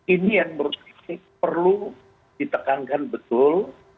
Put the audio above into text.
ini yang menurut saya perlu ditekankan betul